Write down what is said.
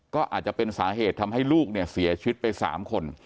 ก็อาจจะเป็นสาเหตุทำให้ลูกเนี่ยเสียชีวิตไป๓คน